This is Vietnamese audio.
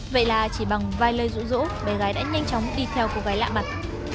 vậy là chỉ bằng vài lời rũ rỗ bé gái đã nhanh chóng đi theo cô gái lạ mặt